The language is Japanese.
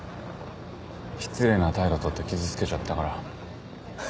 失礼な態度取って傷つけちゃったから。